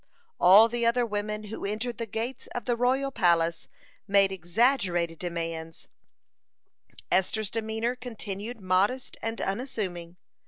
All the other women who entered the gates of the royal palace made exaggerated demands, Esther's demeanor continued modest and unassuming.